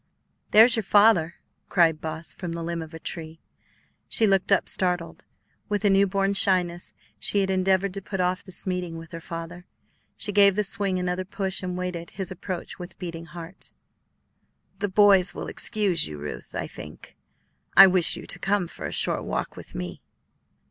"There's your father," cried Boss, from the limb of a tree. She looked up, startled. With a newborn shyness she had endeavored to put off this meeting with her father. She gave the swing another push and waited his approach with beating heart. "The boys will excuse you, Ruth, I think; I wish you to come for a short walk with me."